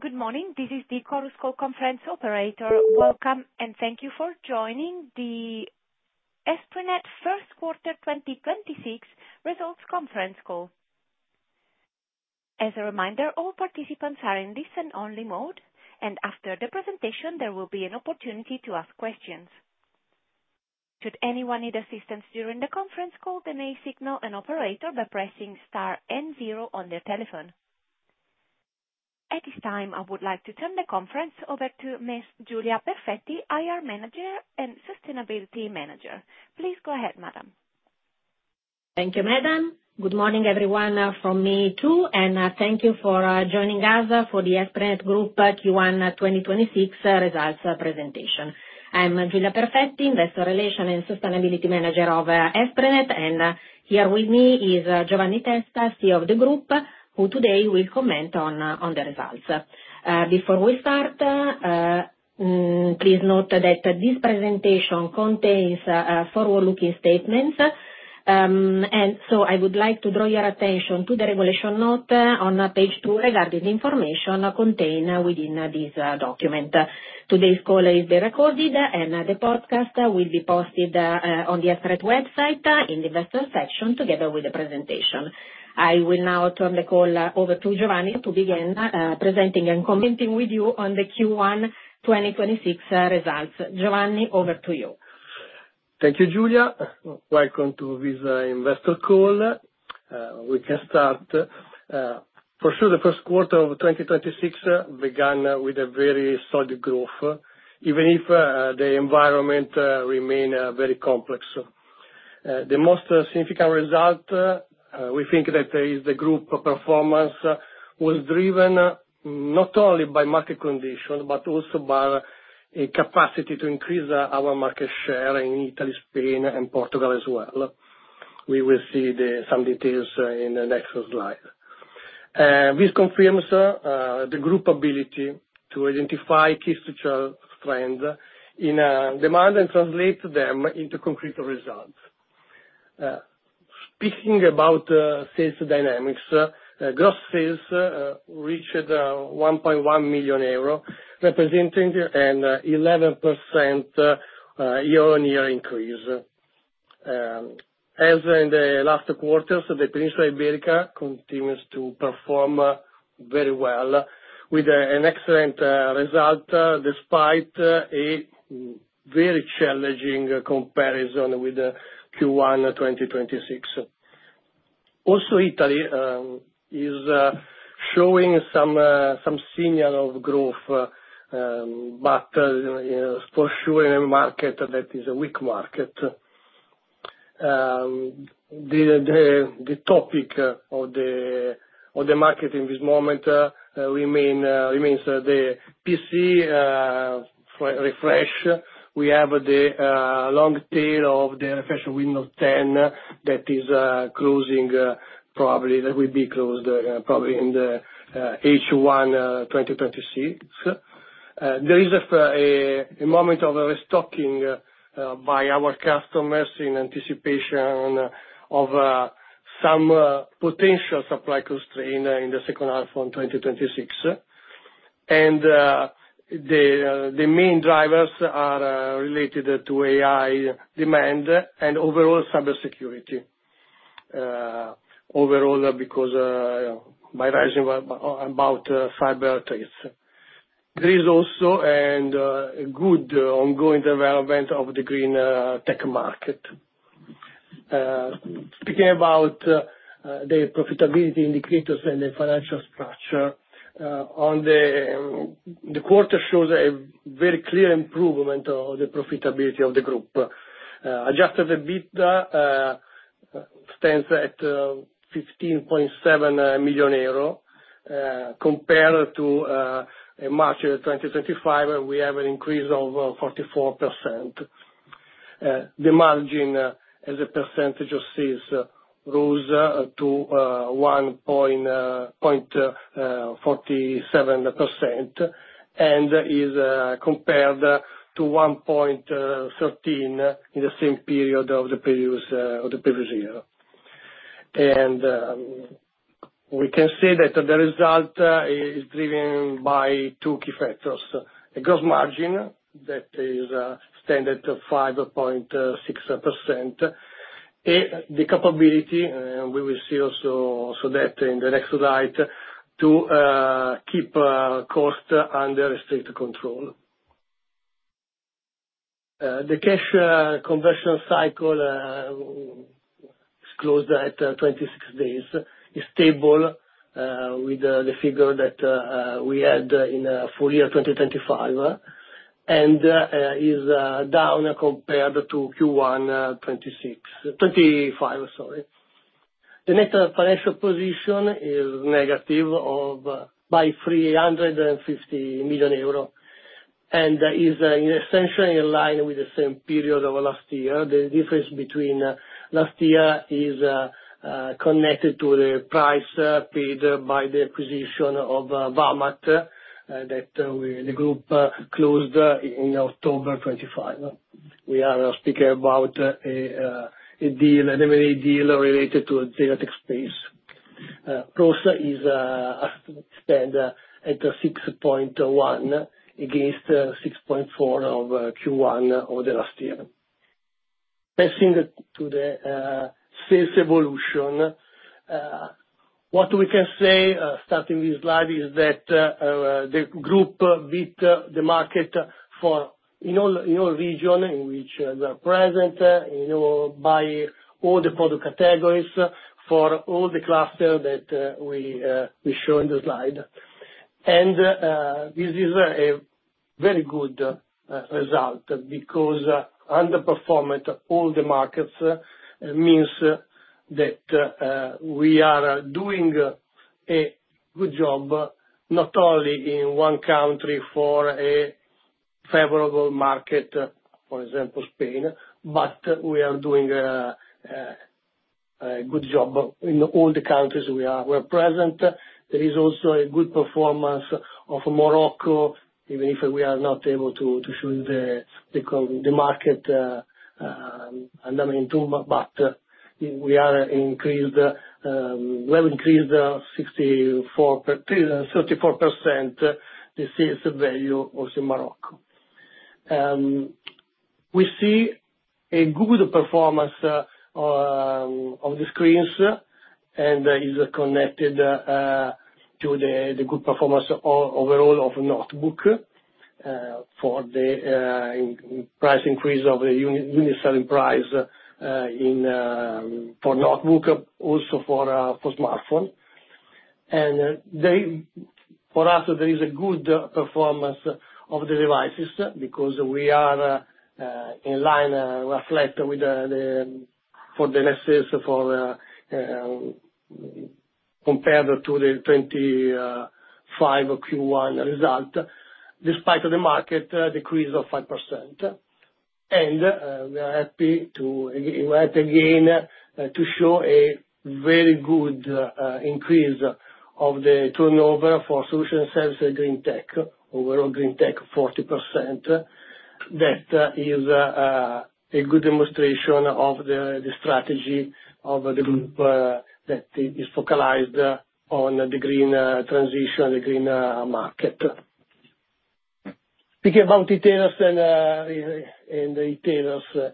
Good morning. This is the Chorus Call conference operator. Welcome, and thank you for joining the Esprinet first quarter 2026 results conference call. As a reminder, all participants are in listen-only mode, and after the presentation, there will be an opportunity to ask questions. Should anyone need assistance during the conference call, they may signal an operator by pressing star and zero on their telephone. At this time, I would like to turn the conference over to Ms. Giulia Perfetti, IR Manager and Sustainability Manager. Please go ahead, madam. Thank you, madam. Good morning, everyone, from me too, and thank you for joining us for the Esprinet Group Q1 2026 results presentation. I'm Giulia Perfetti, Investor Relations and Sustainability Manager of Esprinet, and here with me is Giovanni Testa, CEO of the group, who today will comment on the results. Before we start, please note that this presentation contains forward-looking statements. I would like to draw your attention to the regulation note on page two regarding the information contained within this document. Today's call is being recorded, and the podcast will be posted on the Esprinet website in the investor section together with the presentation. I will now turn the call over to Giovanni to begin presenting and commenting with you on the Q1 2026 results. Giovanni, over to you. Thank you, Giulia. Welcome to this investor call. We can start. For sure, the first quarter of 2026 began with a very solid growth, even if the environment remains very complex. The most significant result, we think that is the Group performance, was driven not only by market conditions, but also by a capacity to increase our market share in Italy, Spain, and Portugal as well. We will see some details in the next slide. This confirms the Group ability to identify key structural trends in demand and translate them into concrete results. Speaking about sales dynamics, gross sales reached 1.1 million euro, representing an 11% year-on-year increase. As in the last quarters, the Península Ibérica continues to perform very well with an excellent result despite a very challenging comparison with Q1 2026. Italy is showing some signal of growth, for sure in a market that is a weak market. The topic of the market in this moment remains the PC refresh. We have the long tail of the refresh of Windows 10 that will be closed probably in the H1 2026. There is a moment of restocking by our customers in anticipation of some potential supply constraint in the second half of 2026. The main drivers are related to AI demand and overall cybersecurity. Overall, because by rising about cyber threats. There is also a good ongoing development of the green tech market. Speaking about the profitability indicators and the financial structure, the quarter shows a very clear improvement of the profitability of the group. Adjusted EBITDA stands at 15.7 million euro. Compared to March 2025, we have an increase of 44%. The margin as a percentage of sales goes to 1.47% and is compared to 1.13% in the same period of the previous year. We can say that the result is driven by two key factors, a gross margin that is standard to 5.6%, the capability, we will see also that in the next slide, to keep cost under strict control. The cash conversion cycle is closed at 26 days, is stable with the figure that we had in full year 2025 and is down compared to Q1 2025. The net financial position is negative by 350 million euro, is essentially in line with the same period of last year. The difference between last year is connected to the price paid by the acquisition of Vamat that the Group closed in October 2025. We are speaking about an M&A deal related to the Zeliatech space. Gross is spend at 6.1% against 6.4% of Q1 of the last year. Passing to the sales evolution, what we can say, starting with this slide, is that the group beat the market in all regions in which we are present by all the product categories for all the cluster that we show in the slide. This is a very good result, because outperforming all the markets means that we are doing a good job, not only in one country for a favorable market, for example, Spain, but we are doing a good job in all the countries we are present. There is also a good performance of Morocco, even if we are not able to show the market dynamic, we have increased 34% the sales value also in Morocco. We see a good performance of the screens, is connected to the good performance overall of notebook for the price increase of the unit selling price for notebook, also for smartphone. For us, there is a good performance of the devices, because we are in line, reflect for the next sales compared to the 2025 Q1 result, despite the market decrease of 5%. We are happy again to show a very good increase of the turnover for solution sales Green Tech, overall Green Tech, 40%. That is a good demonstration of the strategy of the Group that is focalized on the green transition, the green market. Speaking about retailers and the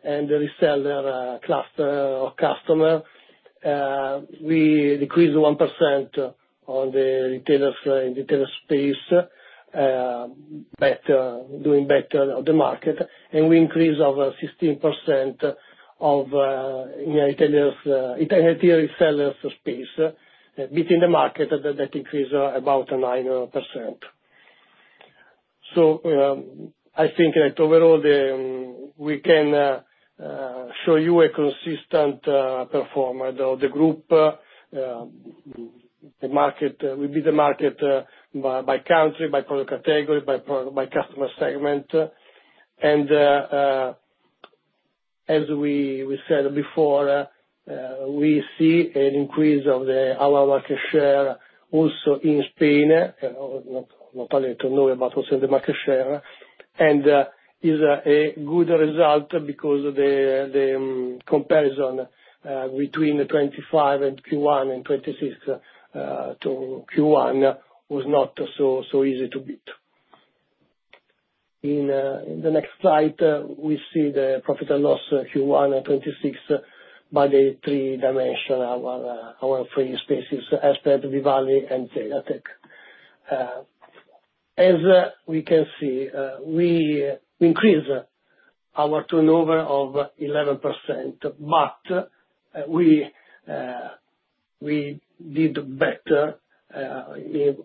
reseller cluster or customer, we decreased 1% on the retailers in retailer space, doing better on the market, we increased over 16% of IT resellers space, beating the market that increased about 9%. I think overall, we can show you a consistent performance of the Group. We beat the market by country, by product category, by customer segment. As we said before, we see an increase of our market share also in Spain, not only turnover, but also the market share, and it's a good result because of the comparison between the Q1 2025 and Q1 2026 was not so easy to beat. In the next slide, we see the profit and loss Q1 2026 by the three dimensions of our three spaces, Esprinet, V-Valley, and Zeliatech. As we can see, we increased our turnover of 11%, but we did better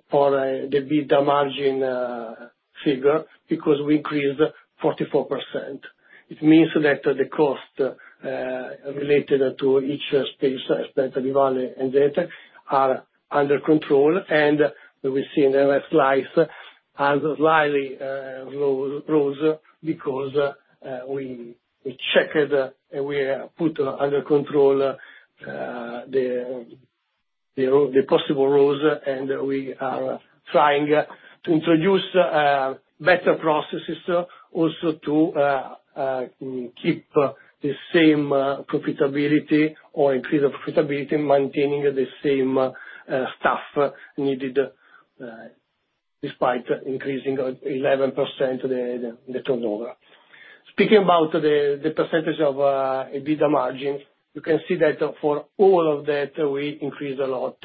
for the EBITDA margin figure, because we increased 44%. It means that the cost related to each space, Esprinet, V-Valley, and Zeliatech, are under control. We see in the next slide, has slightly rose because we checked and we put under control the possible rules, and we are trying to introduce better processes also to keep the same profitability or increase the profitability, maintaining the same staff needed despite increasing 11% the turnover. Speaking about the percentage of EBITDA margins, you can see that for all of that, we increased a lot.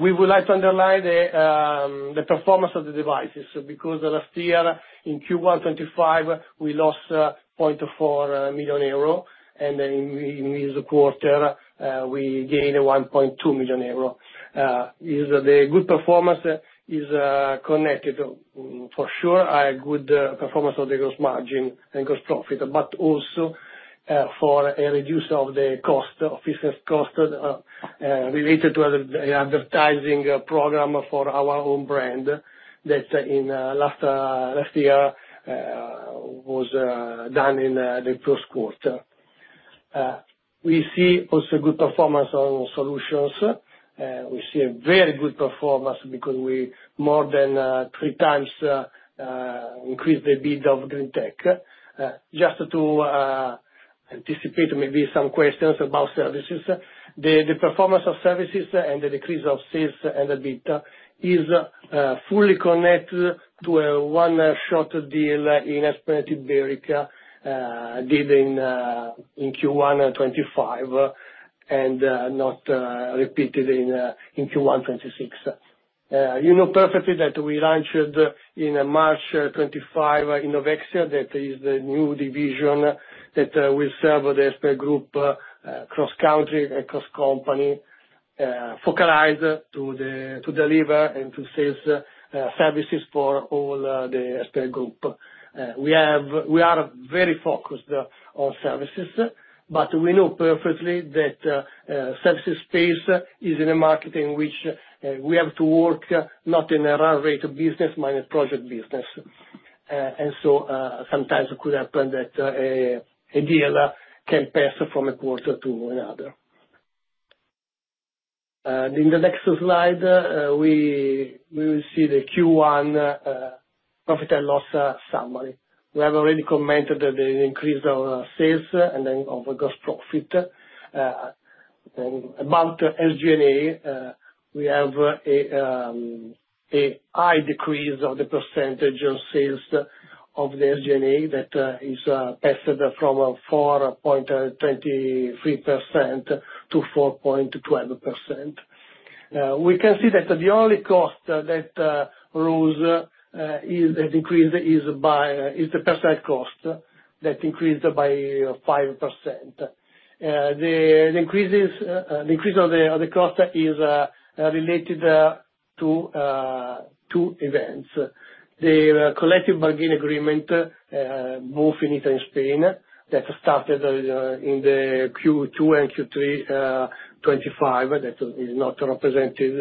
We would like to underline the performance of the devices, because last year, in Q1 2025, we lost 0.4 million euro, then in this quarter, we gained 1.2 million euro. The good performance is connected for sure, a good performance of the gross margin and gross profit, but also for a reduce of the cost, offices cost, related to advertising program for our own brand that last year was done in the first quarter. We see also good performance on solutions. We see a very good performance because we more than three times increased the EBITDA of Green Tech. Just to anticipate maybe some questions about services, the performance of services and the decrease of sales and EBITDA is fully connected to one short deal in Esprinet Ibérica did in Q1 2025, and not repeated in Q1 2026. You know perfectly that we launched in March 2025, Innovexya, that is the new division that will serve the Esprinet Group cross-country, cross-company, focalized to deliver and to sell services for all the Esprinet Group. We are very focused on services, but we know perfectly that services space is in a market in which we have to work, not in a run rate business, mind a project business. Sometimes it could happen that a deal can pass from a quarter to another. In the next slide, we will see the Q1 profit and loss summary. We have already commented on the increase of sales and of gross profit. About SG&A, we have a high decrease of the percentage of sales of the SG&A that is passed from 4.23% to 4.12%. We can see that the only cost that rose is the personnel cost that increased by 5%. The increase of the cost is related to two events, the collective bargaining agreement, both in Italy and Spain, that started in the Q2 and Q3 2025, that is not represented in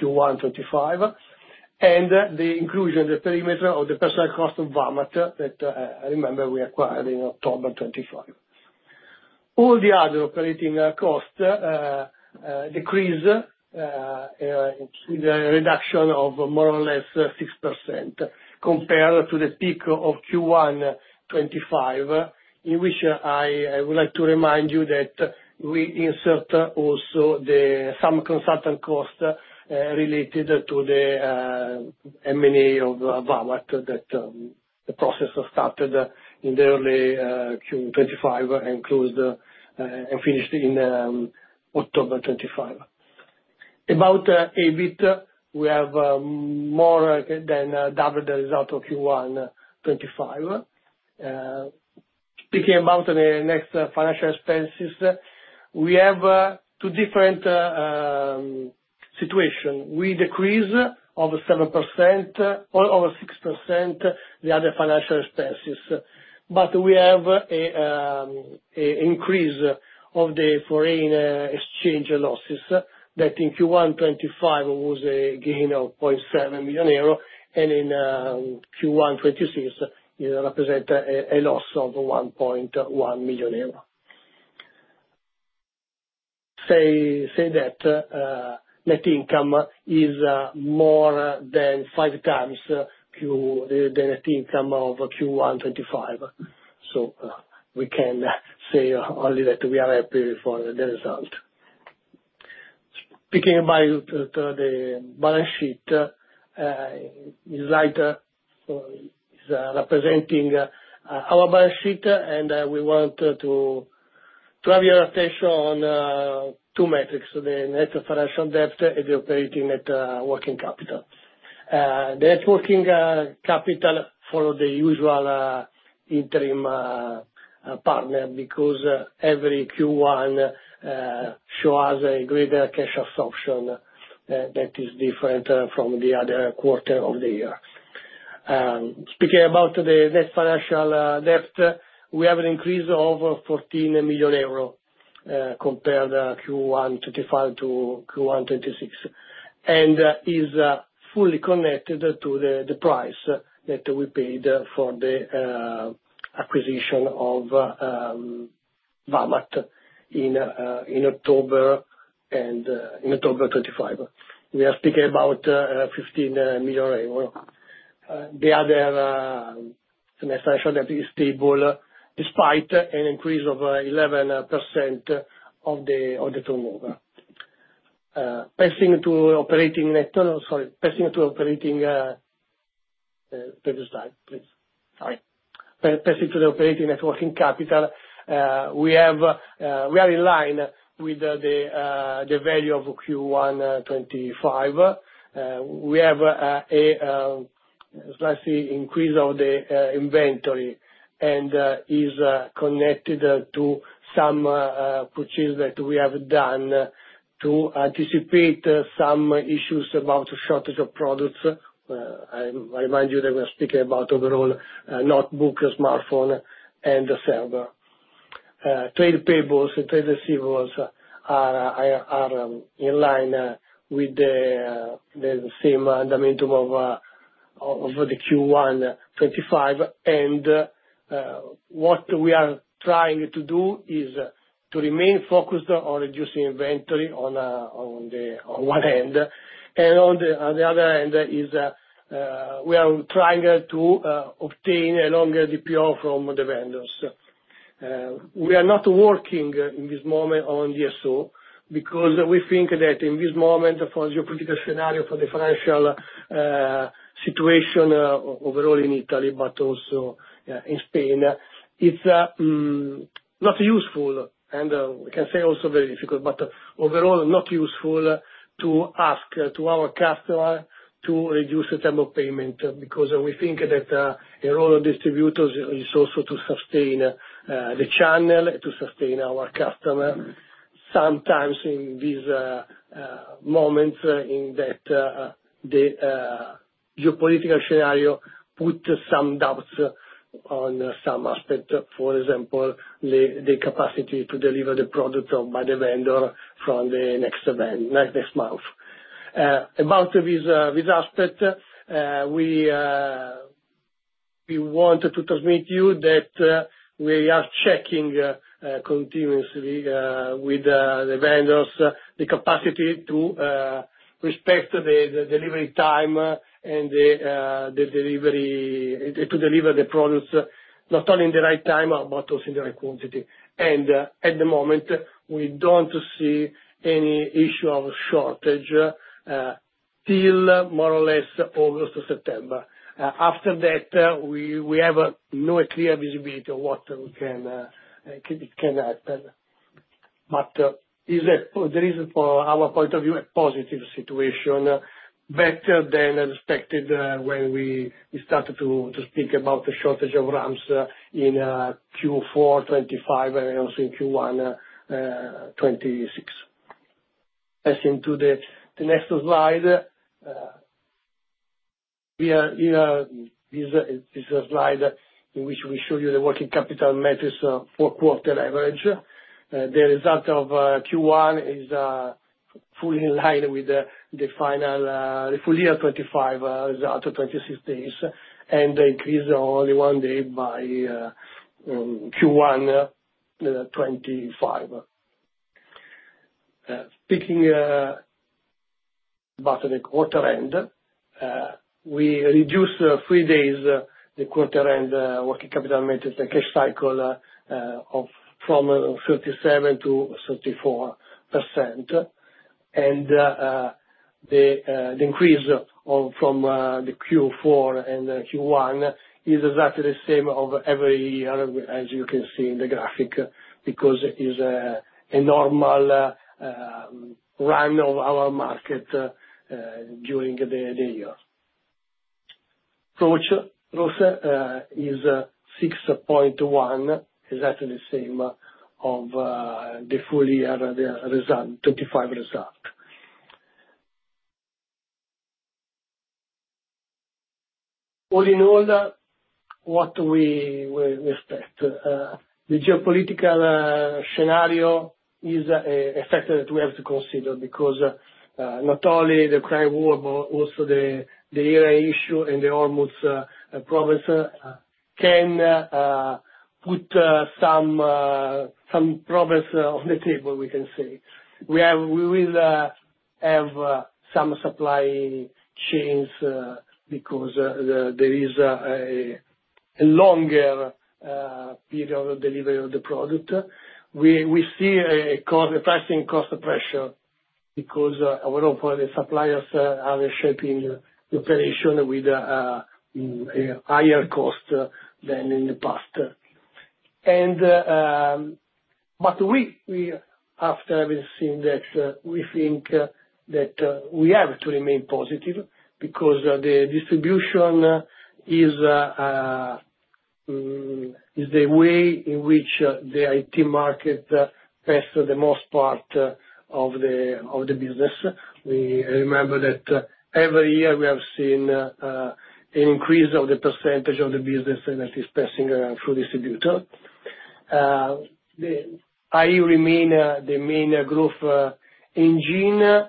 Q1 2025. The inclusion, the perimeter of the personnel cost of Vamat that I remember we acquired in October 2025. All the other operating costs decrease, the reduction of more or less 6%, compared to the peak of Q1 2025, in which I would like to remind you that we insert also some consultant costs related to the M&A of Vamat that the process started in the early Q 2025 and finished in October 2025. About EBIT, we have more than doubled the result of Q1 2025. Speaking about the next financial expenses, we have two different situation. We decrease over 7%, or over 6% the other financial expenses. We have a increase of the foreign exchange losses that in Q1 2025 was a gain of 7 million euro and in Q1 2026, it represent a loss of 1.1 million euro. Say that net income is more than five times the net income of Q1 2025. We can say only that we are happy for the result. Speaking about the balance sheet, this slide is representing our balance sheet, and we want to have your attention on two metrics, the net financial debt and the operating net working capital. The net working capital follow the usual interim pattern because every Q1 show us a greater cash assumption that is different from the other quarter of the year. Speaking about the net financial debt, we have an increase of over 14 million euro compared Q1 2025 to Q1 2026, and is fully connected to the price that we paid for the acquisition of Vamat in October 2025. We are speaking about 15 million euro. The other financial debt is stable despite an increase of 11% of the turnover. Passing to Sorry, previous slide, please. Sorry. Passing to the operating net working capital. We are in line with the value of Q1 2025. We have a slight increase of the inventory and is connected to some purchase that we have done to anticipate some issues about shortage of products. I remind you that we're speaking about overall notebook, smartphone, and server. Trade payables and trade receivables are in line with the same momentum of the Q1 2025. What we are trying to do is to remain focused on reducing inventory on one end. On the other end is, we are trying to obtain a longer DPO from the vendors. We are not working in this moment on DSO, because we think that in this moment, for geopolitical scenario, for the financial situation overall in Italy, but also in Spain. It's not useful and we can say also very difficult, but overall not useful to ask to our customer to reduce the term of payment. We think that the role of distributors is also to sustain the channel, to sustain our customer. Sometimes in these moments in that the geopolitical scenario put some doubts on some aspect, for example, the capacity to deliver the product by the vendor from the next month. About this aspect, we want to transmit you that we are checking continuously with the vendors the capacity to respect the delivery time and to deliver the products not only in the right time but also in the right quantity. At the moment, we don't see any issue of shortage till more or less August to September. After that, we have no clear visibility of what can happen. There is, from our point of view, a positive situation, better than expected, when we started to speak about the shortage of RAMs in Q4 2025 and also in Q1 2026. Passing to the next slide. This is a slide in which we show you the working capital metrics for quarter average. The result of Q1 is fully in line with the full year 2025 result of 36 days, and increase of only one day by Q1 2025. Speaking about the quarter end, we reduced three days the quarter end working capital metrics and cash cycle from 37% to 34%. The increase from the Q4 and Q1 is exactly the same of every year, as you can see in the graphic, because it is a normal run of our market during the year. Approach also is 6.1, exactly the same of the full year result, 2025 result. All in all, what we expect? The geopolitical scenario is a factor that we have to consider because not only the Ukraine War, but also the Iran issue and the Hormuz province can put some pressure on the table, we can say. We will have some supply chains, because there is a longer period of delivery of the product. We see a passing cost pressure because a lot of the suppliers are shaping the operation with a higher cost than in the past. We, after having seen that, we think that we have to remain positive because the distribution is the way in which the IT market passes the most part of the business. We remember that every year we have seen an increase of the percentage of the business that is passing through distributors. The AI remain the main growth engine,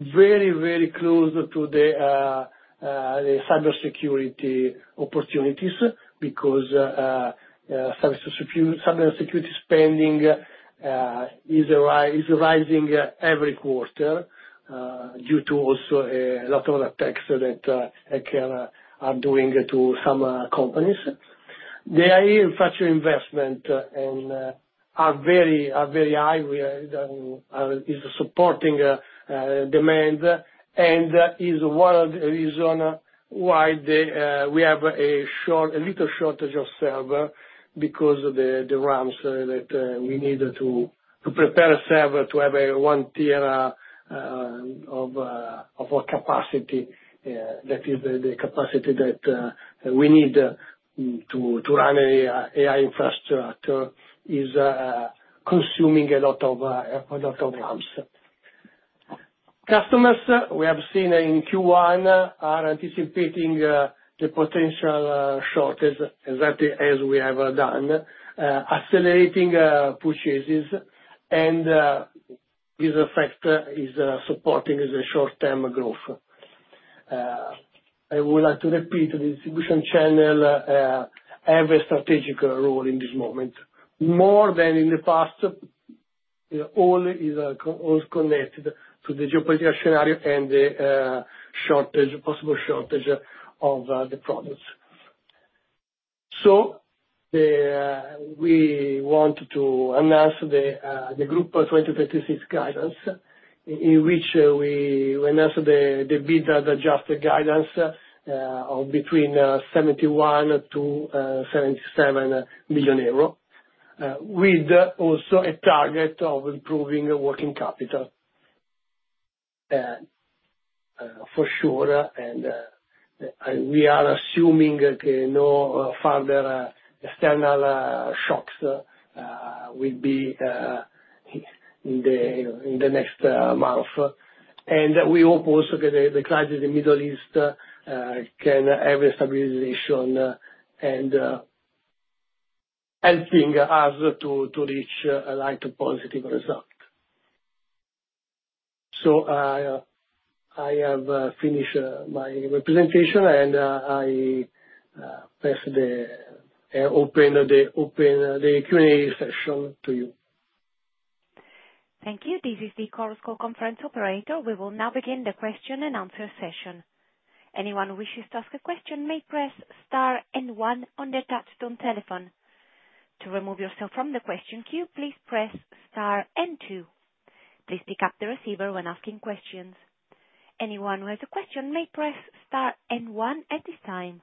very close to the cybersecurity opportunities because cybersecurity spending is rising every quarter due to also a lot of attacks that hackers are doing to some companies. The AI infrastructure investment are very high, is supporting demand and is one of the reason why we have a little shortage of server because of the RAMs that we need to prepare a server to have a 1 TB of capacity. That is the capacity that we need to run AI infrastructure is consuming a lot of RAMs. Customers, we have seen in Q1 are anticipating the potential shortage exactly as we have done, accelerating purchases. This effect is supporting the short term growth. I would like to repeat, the distribution channel have a strategic role in this moment, more than in the past. All is connected to the geopolitical scenario and the possible shortage of the products. We want to announce the group's 2026 guidance, in which we announce the EBITDA adjusted guidance of between 71 million and 77 million euro, with also a target of improving working capital. For sure, we are assuming no further external shocks will be in the next month. We hope also that the crisis in Middle East can have a stabilization and helping us to reach a light positive result. I have finished my presentation and I open the Q&A session to you. Thank you. This is the Chorus Call conference operator. We will now begin the question and answer session. Anyone who wishes to ask a question may press star and one on their touchtone telephone. To remove yourself from the question queue, please press star and two. Please pick up the receiver when asking questions. Anyone who has a question may press star and one at this time.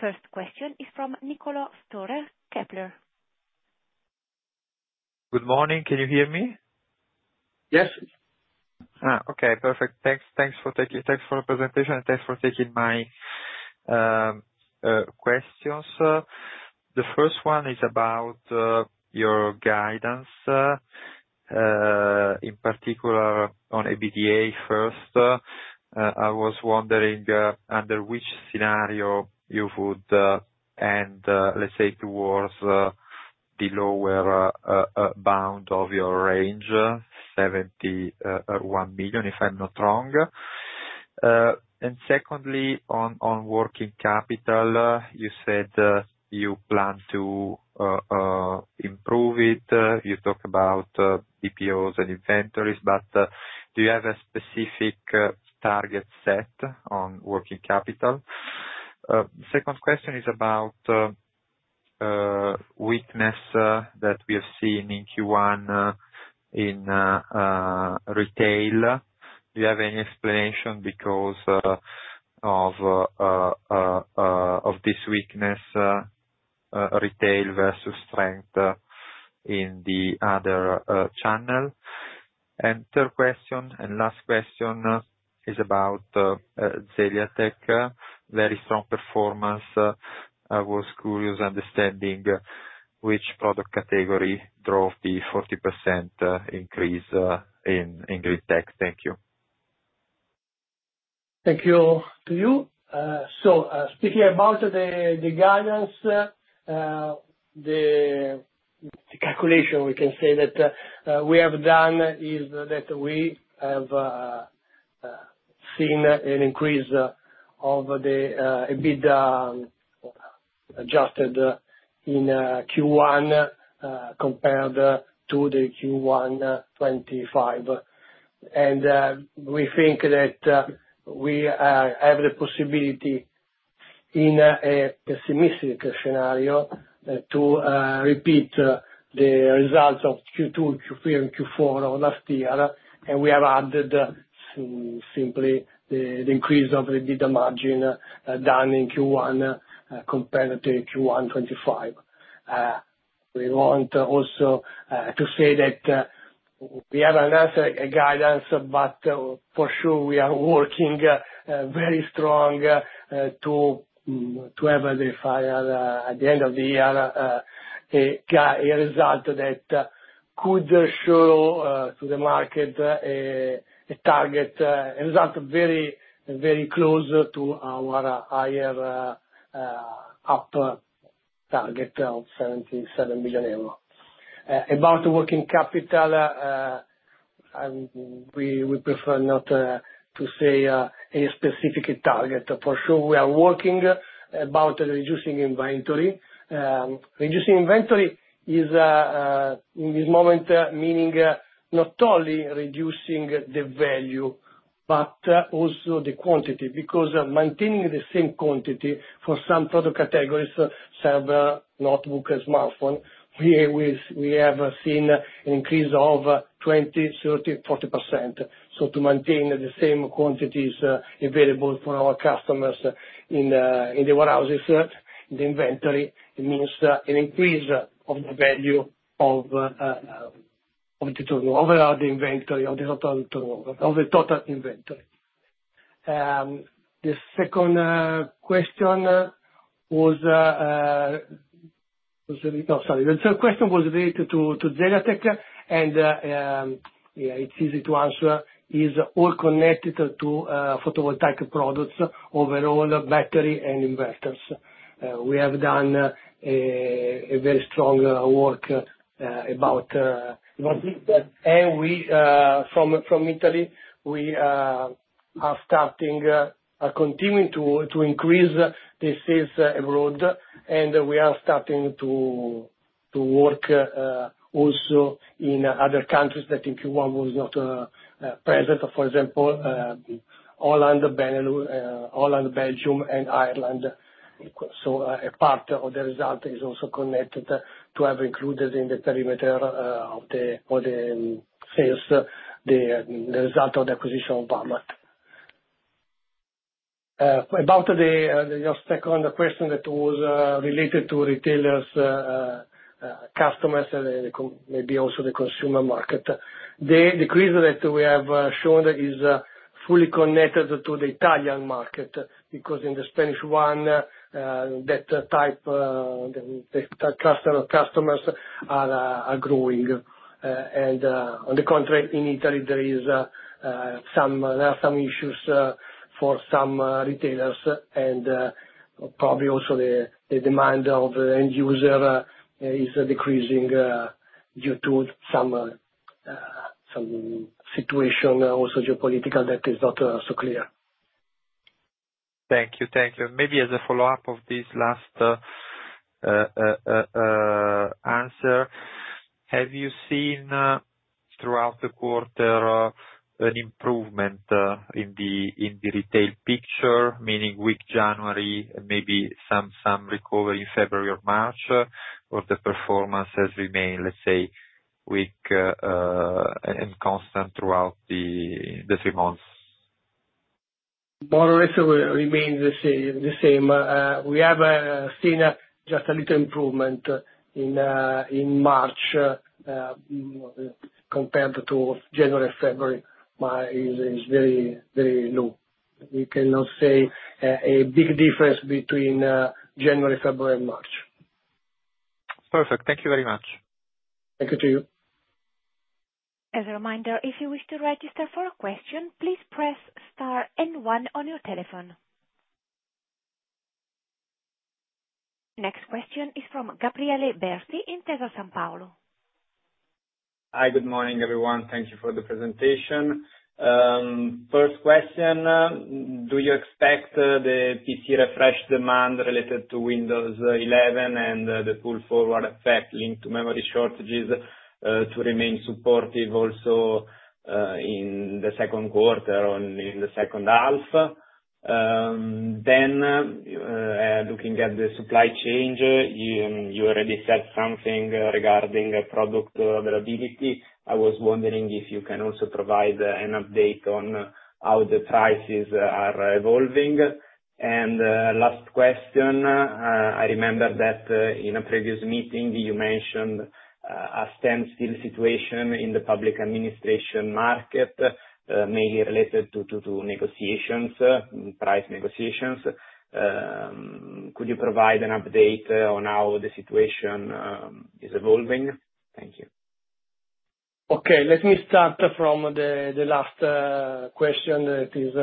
First question is from Niccolò Storer, Kepler. Good morning. Can you hear me? Yes. Okay, perfect. Thanks for the presentation and thanks for taking my questions. The first one is about your guidance, in particular on EBITDA first. I was wondering under which scenario you would end, let's say, towards the lower bound of your range, 71 million, if I'm not wrong. Secondly, on working capital, you said you plan to improve it. You talk about DPOs and inventories, do you have a specific target set on working capital? Second question is about weakness that we have seen in Q1 in retail. Do you have any explanation because of this weakness, retail versus strength in the other channel? Third question, last question, is about Zeliatech. Very strong performance. I was curious understanding which product category drove the 40% increase in Green Tech. Thank you. Thank you to you. Speaking about the guidance, the calculation we can say that we have done is that we have seen an increase of the EBITDA adjusted in Q1 compared to the Q1 2025. We think that we have the possibility in a pessimistic scenario to repeat the results of Q2, Q3, and Q4 of last year. We have added simply the increase of EBITDA margin done in Q1 compared to Q1 2025. We want also to say that we have announced a guidance, but for sure we are working very strong to have at the end of the year, a result that could show to the market a result very close to our higher upper target of 77 million euros. About working capital, we would prefer not to say a specific target. For sure we are working about reducing inventory. Reducing inventory is, in this moment, meaning not only reducing the value, but also the quantity. Maintaining the same quantity for some product categories, server, notebook, and smartphone, we have seen an increase of 20%, 30%, 40%. To maintain the same quantities available for our customers in the warehouses, the inventory, it means an increase of the value of the turnover of the inventory, of the total inventory. The second question was related to Zeliatech and it's easy to answer. It is all connected to photovoltaic products, overall battery and inverters. We have done a very strong work about inverters and from Italy we are continuing to increase the sales abroad, and we are starting to work also in other countries that in Q1 were not present. For example, Holland, Belgium, and Ireland. A part of the result is also connected to have included in the perimeter of the sales, the result of the acquisition of Vamat. About your second question that was related to retailers, customers, and maybe also the consumer market. The decrease that we have shown is fully connected to the Italian market, because in the Spanish one, that type of customers are growing. On the contrary, in Italy, there are some issues for some retailers, and probably also the demand of the end user is decreasing due to some situation, also geopolitical, that is not so clear. Thank you. Maybe as a follow-up of this last answer, have you seen throughout the quarter an improvement in the retail picture? Meaning weak January, maybe some recovery in February or March? The performance has remained, let's say, weak and constant throughout the three months? More or less remains the same. We have seen just a little improvement in March compared to January, February, but it is very low. We cannot say a big difference between January, February, and March. Perfect. Thank you very much. Thank you, too. As a reminder, if you wish to register for a question, please press star and one on your telephone. Next question is from Gabriele Berti, Intesa Sanpaolo. Hi. Good morning, everyone. Thank you for the presentation. First question, do you expect the PC refresh demand related to Windows 11 and the pull-forward effect linked to memory shortages to remain supportive also in the second quarter or in the second half? Looking at the supply chain, you already said something regarding product availability. I was wondering if you can also provide an update on how the prices are evolving. Last question, I remember that in a previous meeting, you mentioned a standstill situation in the public administration market may be related to price negotiations. Could you provide an update on how the situation is evolving? Thank you. Okay. Let me start from the last question that is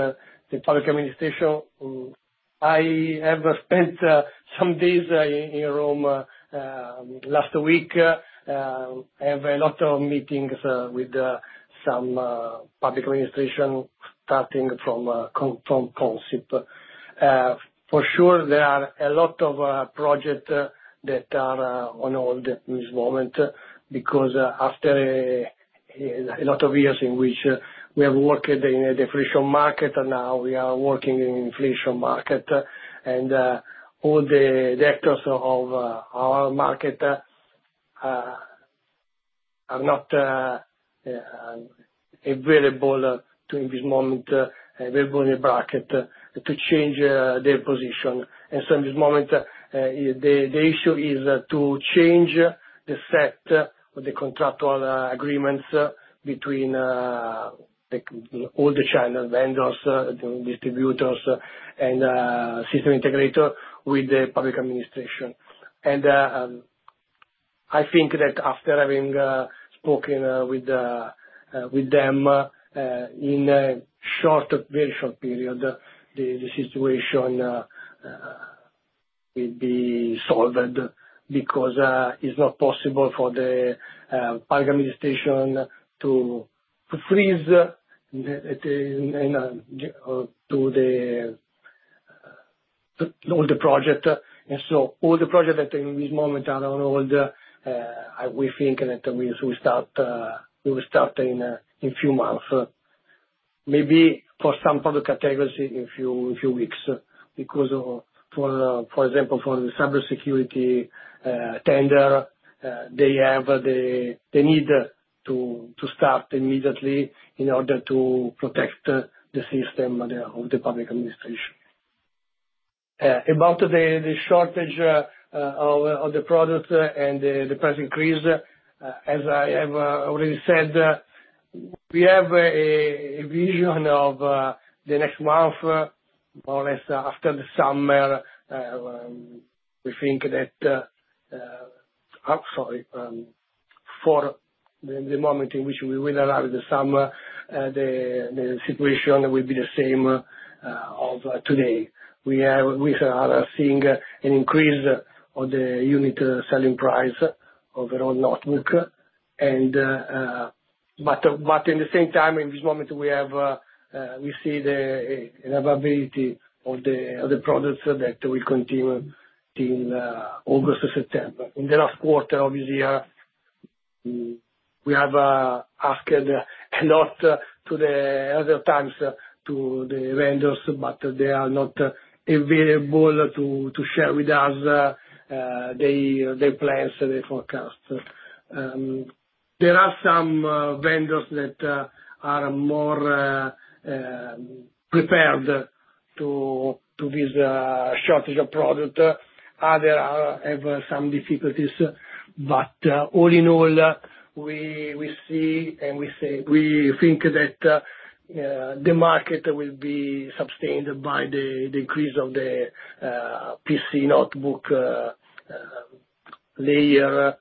the public administration. I have spent some days in Rome last week. I have a lot of meetings with some public administration, starting from Consip. For sure, there are a lot of projects that are on hold in this moment, because after a lot of years in which we have worked in a deflation market, now we are working in inflation market. All the actors of our market are not available in this moment, available in the bracket, to change their position. In this moment, the issue is to change the set of the contractual agreements between all the channel vendors, the distributors, and system integrator with the public administration. I think that after having spoken with them, in a very short period, the situation will be solved, because it's not possible for the public administration to freeze all the project. All the project that in this moment are on hold, we think that we will start in a few months. Maybe for some public categories, in a few weeks. Because, for example, for the cybersecurity tender, they need to start immediately in order to protect the system of the public administration. About the shortage of the product and the price increase, as I have already said, we have a vision of the next month, more or less after the summer. For the moment in which we will arrive in the summer, the situation will be the same of today. We are seeing an increase of the unit-selling price of our own notebook. At the same time, in this moment we see the availability of the other products that will continue till August or September. In the last quarter of the year, we have asked a lot to the other times to the vendors, they are not available to share with us their plans and their forecasts. There are some vendors that are more prepared to this shortage of product. Others have some difficulties. All in all, we see and we think that the market will be sustained by the increase of the PC, notebook layer.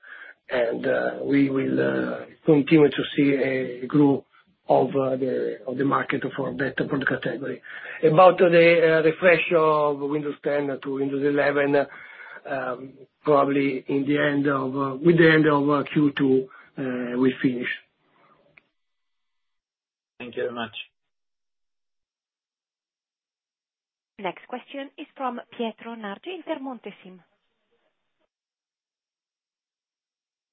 We will continue to see a growth of the market for that product category. The refresh of Windows 10 to Windows 11, probably with the end of Q2, will finish. Thank you very much. Next question is from Pietro Nargi, Intermonte SIM.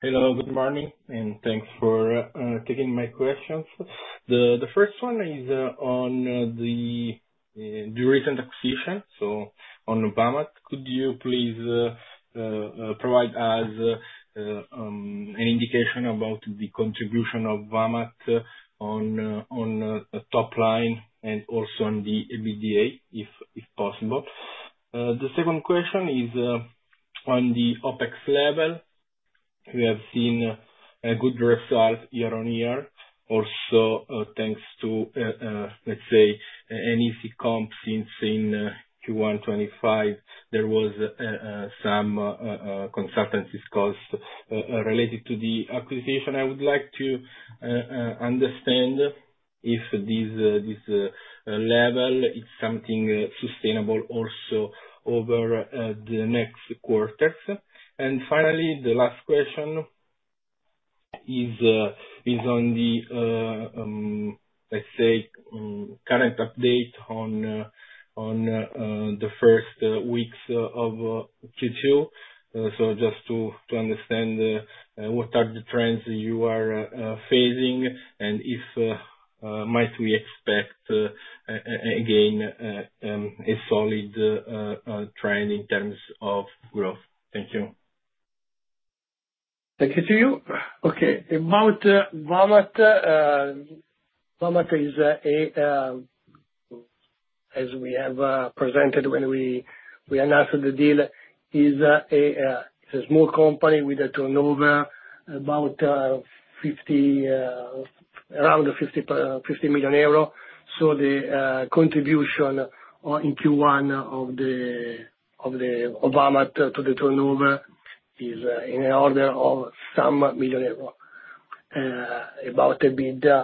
Hello, good morning. Thanks for taking my questions. The first one is on the recent acquisition, so on Vamat. Could you please provide us an indication about the contribution of Vamat on top line and also on the EBITDA, if possible? The second question is on the OpEx level. We have seen a good result year-over-year also thanks to, let's say, an easy comp since in Q1 2025, there was some consultancies cost related to the acquisition. I would like to understand if this level is something sustainable also over the next quarters. Finally, the last question is on the, let's say, current update on the first weeks of Q2. Just to understand what are the trends you are facing and if might we expect, again, a solid trend in terms of growth. Thank you. Thank you. Okay, about Vamat. Vamat is, as we have presented when we announced the deal, is a small company with a turnover about around EUR 50 million. The contribution in Q1 of Vamat to the turnover is in the order of some million euro. About EBITDA,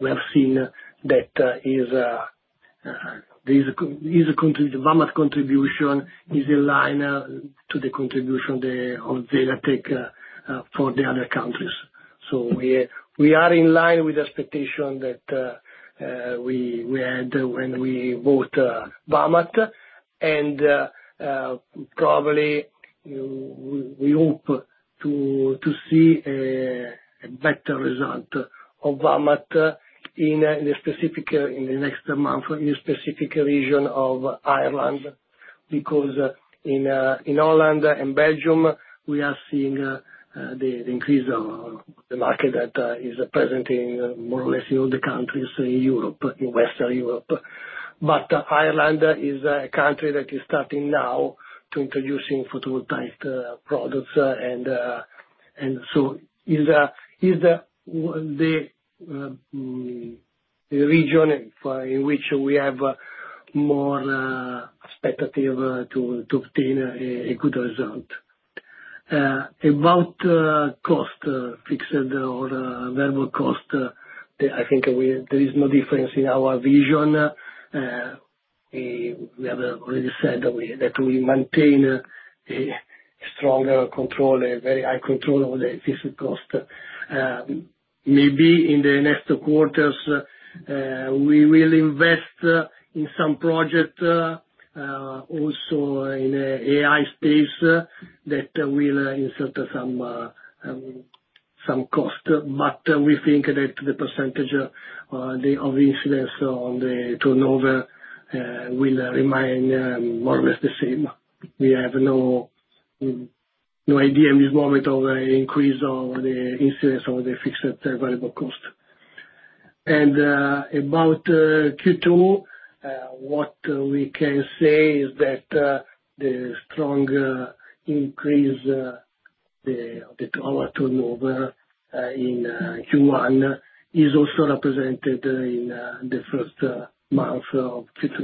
we have seen that Vamat contribution is in line to the contribution of the Zeliatech for the other countries. We are in line with the expectation that we had when we bought Vamat. Probably, we hope to see a better result of Vamat in the next month in the specific region of Ireland. In Holland and Belgium, we are seeing the increase of the market that is present in more or less in all the countries in Western Europe. Ireland is a country that is starting now to introducing photovoltaic products, and so is the region in which we have more expectative to obtain a good result. About cost, fixed or variable cost, I think there is no difference in our vision. We have already said that we maintain a stronger control, a very high control over the fixed cost. Maybe in the next quarters, we will invest in some project, also in AI space that will insert some cost. We think that the percentage of the incidence on the turnover will remain more or less the same. We have no idea in this moment of an increase of the incidence of the fixed variable cost. About Q2, what we can say is that the strong increase of our turnover in Q1 is also represented in the first month of Q2.